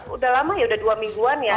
sudah lama ya udah dua mingguan ya